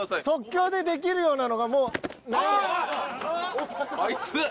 即興でできるようなのがもう。